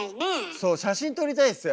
そう写真撮りたいんすよ